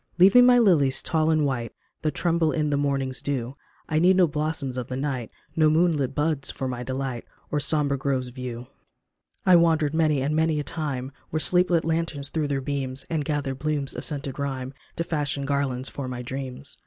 Leave me my lilies tall and white That tremble in the morning's dew ; I need no blossoms of the night, No moonlit buds for my delight Or sombre groves of yew. I wandered many and many a time Where sleep lit lanterns threw their beams, And gathered blooms of scented rhyme To fashion garlands for my dreams.